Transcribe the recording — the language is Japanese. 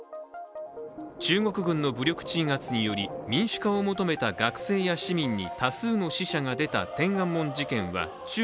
中国軍の武力鎮圧により民主化を求めた学生や市民にわ！